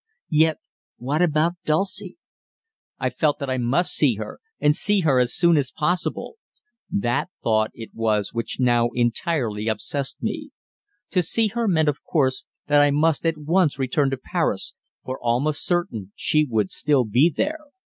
Yet what about Dulcie? I felt that I must see her, and see her as soon as possible. That thought it was which now entirely obsessed me. To see her meant, of course, that I must at once return to Paris, for almost for certain she would still be there.